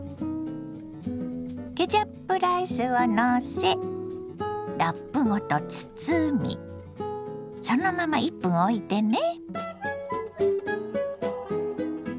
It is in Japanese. ケチャップライスをのせラップごと包みそのまま１分おいてね。